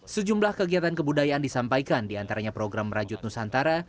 sejumlah kegiatan kebudayaan disampaikan diantaranya program rajut nusantara